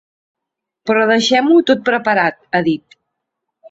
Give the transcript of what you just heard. Però deixem-ho tot preparat, ha dit.